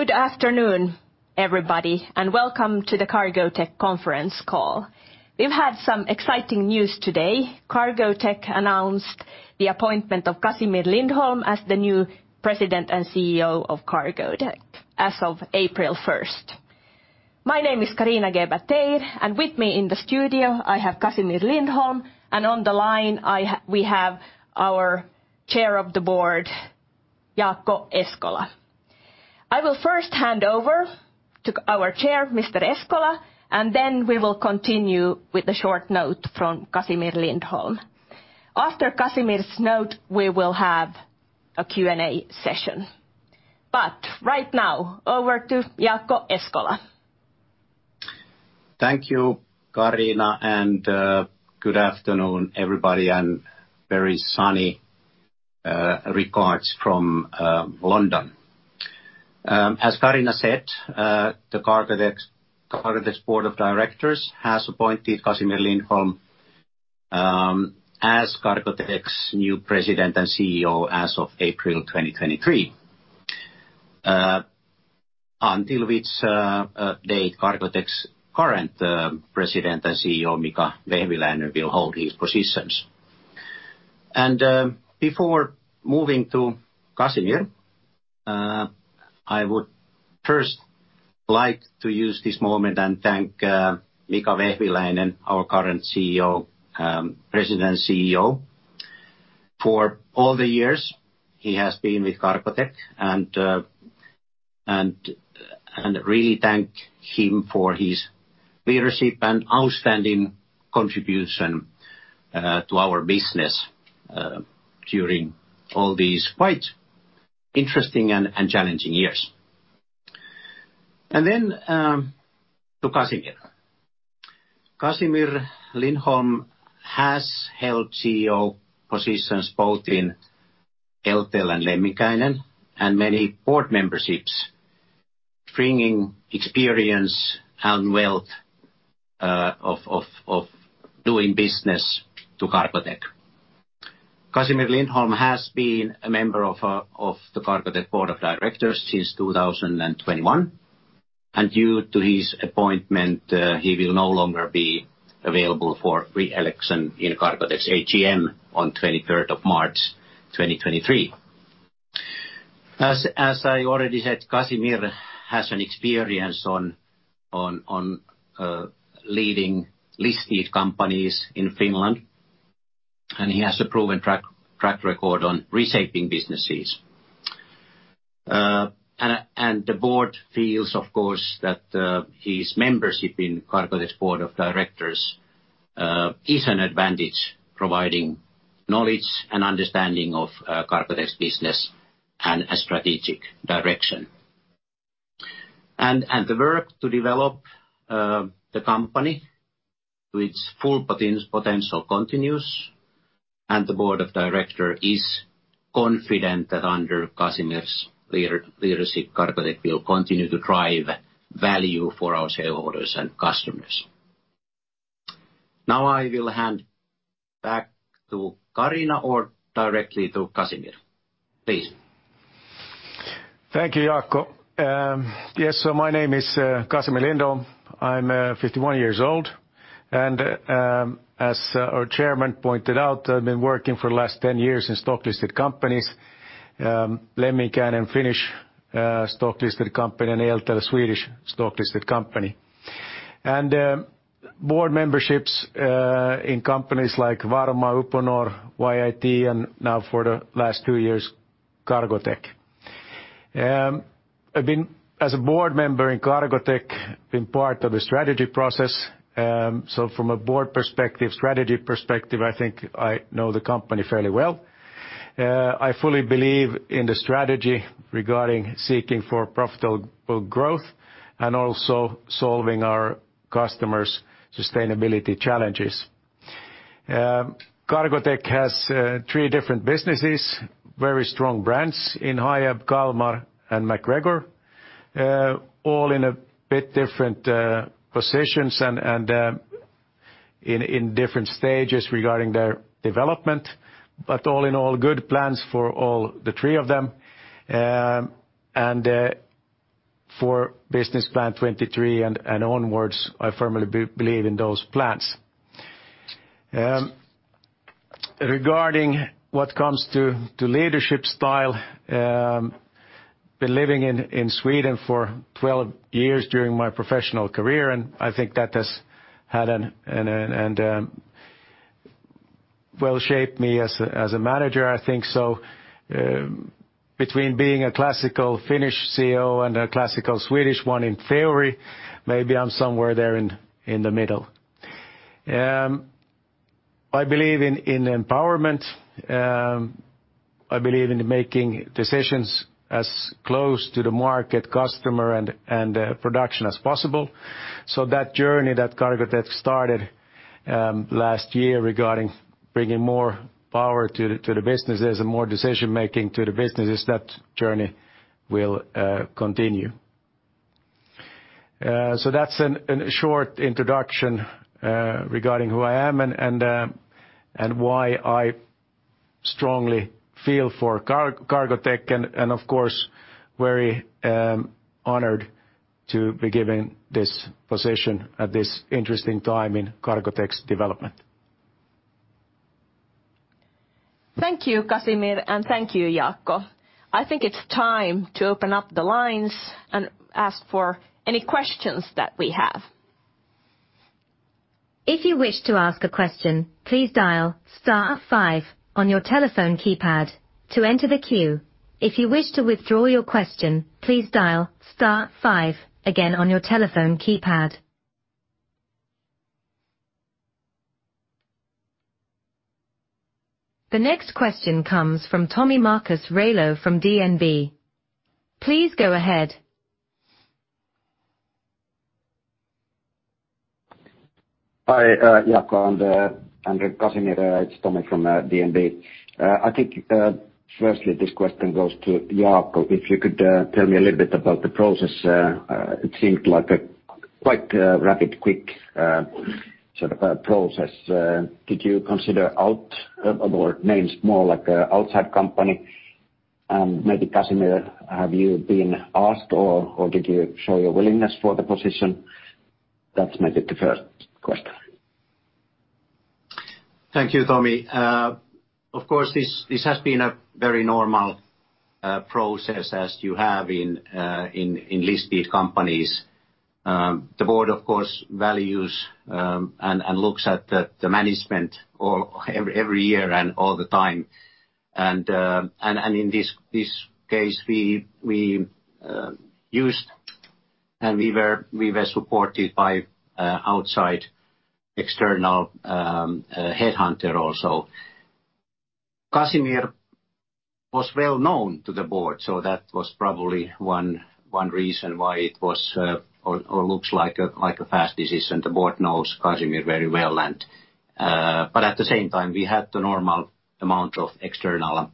Good afternoon, everybody, welcome to the Cargotec conference call. We've had some exciting news today. Cargotec announced the appointment of Casimir Lindholm as the new President and CEO of Cargotec as of April 1st. My name is Carina Geber-Teir, with me in the studio, I have Casimir Lindholm. On the line, we have our Chair of the Board, Jaakko Eskola. I will first hand over to our chair, Mr. Eskola, then we will continue with a short note from Casimir Lindholm. After Casimir's note, we will have a Q&A session. Right now, over to Jaakko Eskola. Thank you, Carina, and good afternoon, everybody, and very sunny regards from London. As Carina said, Cargotec's board of directors has appointed Casimir Lindholm as Cargotec's new President and CEO as of April 2023, until which date Cargotec's current President and CEO, Mika Vehviläinen, will hold his positions. Before moving to Casimir, I would first like to use this moment and thank Mika Vehviläinen, our current CEO, President and CEO, for all the years he has been with Cargotec and really thank him for his leadership and outstanding contribution to our business during all these quite interesting and challenging years. To Casimir. Casimir Lindholm has held CEO positions both in Eltel and Lemminkäinen and many board memberships, bringing experience and wealth of doing business to Cargotec. Casimir Lindholm has been a member of the Cargotec board of directors since 2021, and due to his appointment, he will no longer be available for re-election in Cargotec's AGM on 23rd March, 2023. As I already said, Casimir has an experience on leading listed companies in Finland, and he has a proven track record on reshaping businesses. The board feels, of course, that his membership in Cargotec's board of directors is an advantage providing knowledge and understanding of Cargotec's business and a strategic direction. The work to develop the company to its full potential continues. The board of directors is confident that under Casimir's leadership, Cargotec will continue to drive value for our shareholders and customers. I will hand back to Carina or directly to Casimir. Please. Thank you, Jaakko. Yes, my name is Casimir Lindholm. I'm 51 years old. As our chairman pointed out, I've been working for the last 10 years in stock-listed companies, Lemminkäinen Finnish stock-listed company and Eltel Swedish stock-listed company. Board memberships in companies like Varma, Uponor, YIT, and now for the last two years, Cargotec. I've been, as a board member in Cargotec, been part of a strategy process. From a board perspective, strategy perspective, I think I know the company fairly well. I fully believe in the strategy regarding seeking for profitable growth and also solving our customers' sustainability challenges. Cargotec has three different businesses, very strong brands in Hiab, Kalmar and MacGregor, all in a bit different positions and in different stages regarding their development. All in all, good plans for all the three of them. And for business plan 2023 and onwards, I firmly believe in those plans. Regarding what comes to leadership style, been living in Sweden for 12 years during my professional career, and I think that has had an well shaped me as a manager, I think so. Between being a classical Finnish CEO and a classical Swedish one in theory, maybe I'm somewhere there in the middle. I believe in empowerment. I believe in making decisions as close to the market, customer and production as possible. That journey that Cargotec started last year regarding bringing more power to the businesses and more decision-making to the businesses, that journey will continue. That's a short introduction regarding who I am and why I strongly feel for Cargotec and of course, very honored to be given this position at this interesting time in Cargotec's development. Thank you, Casimir, and thank you, Jaakko. I think it's time to open up the lines and ask for any questions that we have. If you wish to ask a question, please dial star five on your telephone keypad to enter the queue. If you wish to withdraw your question, please dial star five again on your telephone keypad. The next question comes from Tomi Railo from DNB. Please go ahead. Hi, Jaakko and Casimir. It's Tomi from DNB. I think, firstly, this question goes to Jaakko. If you could tell me a little bit about the process. It seemed like a quite rapid, quick sort of process. Did you consider or names more like outside company? Maybe Casimir, have you been asked, or did you show your willingness for the position? That's maybe the first question? Thank you, Tomi. of course, this has been a very normal process as you have in listed companies. The board, of course, values, and looks at the management every year and all the time. In this case, we used, and we were supported by, outside external, headhunter also. Casimir was well-known to the board, so that was probably one reason why it was, or looks like a fast decision. The board knows Casimir very well and, but at the same time, we had the normal amount of external,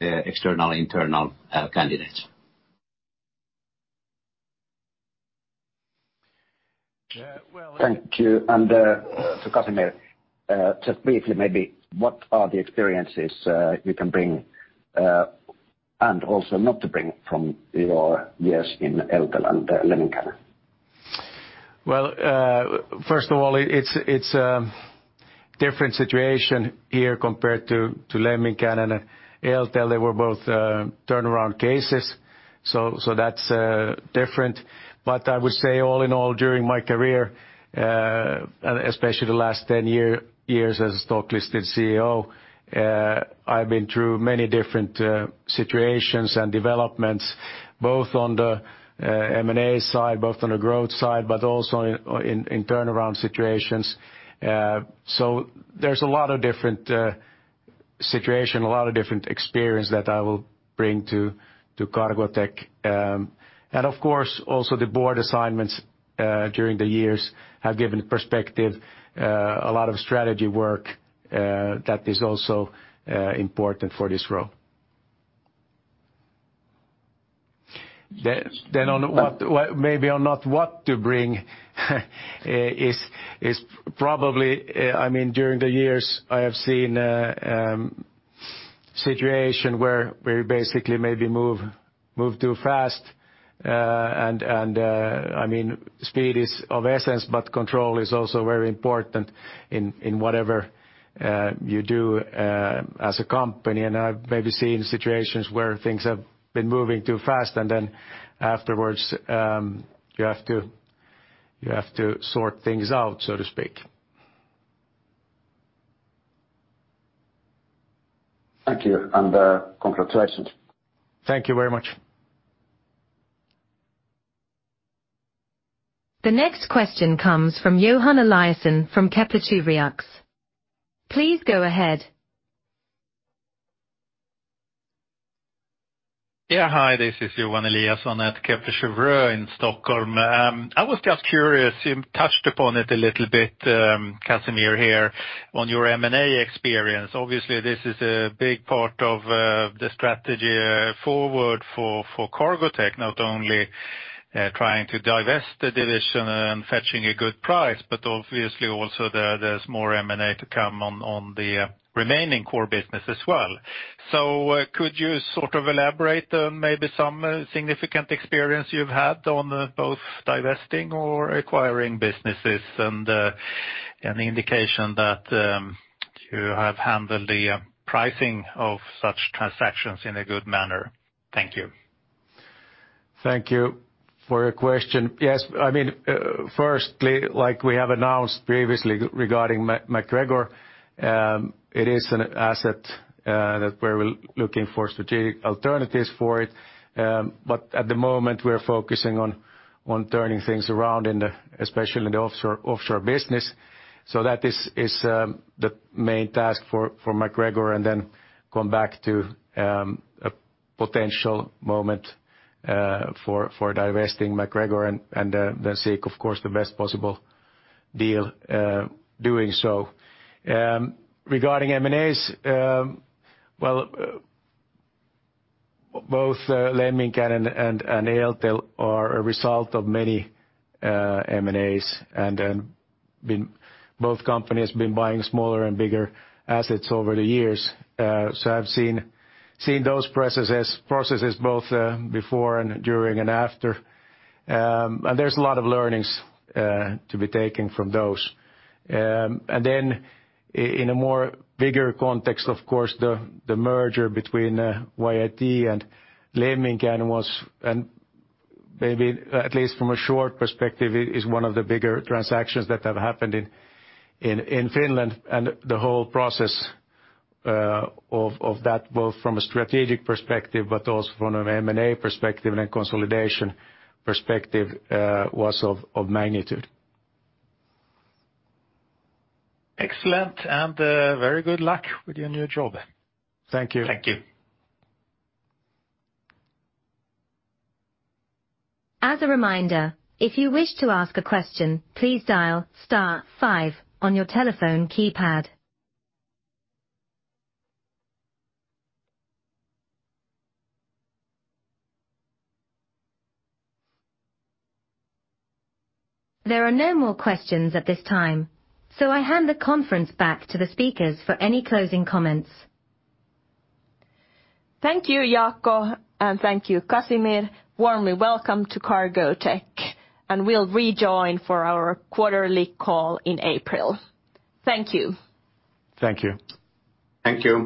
internal, candidates. Yeah. Well, thank you. To Casimir, just briefly, maybe what are the experiences, you can bring, and also not to bring from your years in Eltel and Lemminkäinen? First of all, it's a different situation here compared to Lemminkäinen and Eltel, they were both turnaround cases, so that's different. I would say, all in all, during my career, especially the last 10 years as stock listed CEO, I've been through many different situations and developments, both on the M&A side, both on the growth side, but also in turnaround situations. There's a lot of different situation, a lot of different experience that I will bring to Cargotec. Of course, also the board assignments during the years have given perspective, a lot of strategy work that is also important for this role. On what, maybe on not what to bring is probably, I mean, during the years I have seen situation where we basically maybe move too fast. I mean, speed is of essence, but control is also very important in whatever you do as a company. I've maybe seen situations where things have been moving too fast, and then afterwards, you have to sort things out, so to speak. Thank you, and, congratulations. Thank you very much. The next question comes from Johan Eliason from Kepler Cheuvreux. Please go ahead. Yeah. Hi, this is Johan Eliason at Kepler Cheuvreux in Stockholm. I was just curious, you touched upon it a little bit, Casimir here, on your M&A experience. Obviously, this is a big part of the strategy forward for Cargotec, not only trying to divest the division and fetching a good price, but obviously also there's more M&A to come on the remaining core business as well. Could you sort of elaborate on maybe some significant experience you've had on both divesting or acquiring businesses and any indication that you have handled the pricing of such transactions in a good manner? Thank you. Thank you for your question. Yes. I mean, firstly, like we have announced previously regarding MacGregor, it is an asset that we're looking for strategic alternatives for it. At the moment we're focusing on turning things around especially in the offshore business. That is the main task for MacGregor, come back to a potential moment for divesting MacGregor and seek, of course, the best possible deal doing so. Regarding M&As, well both Lemminkäinen and Eltel are a result of many M&As, both companies been buying smaller and bigger assets over the years. I've seen those processes both before and during and after. There's a lot of learnings to be taking from those. In a more bigger context, of course, the merger between YIT and Lemminkäinen was and maybe at least from a short perspective, is one of the bigger transactions that have happened in Finland. The whole process of that, both from a strategic perspective, but also from an M&A perspective and a consolidation perspective, was of magnitude. Excellent. Very good luck with your new job. Thank you. Thank you. As a reminder, if you wish to ask a question, please dial star five on your telephone keypad. There are no more questions at this time, I hand the conference back to the speakers for any closing comments. Thank you, Jaakko, and thank you, Casimir. Warmly welcome to Cargotec. We'll rejoin for our quarterly call in April. Thank you. Thank you. Thank you.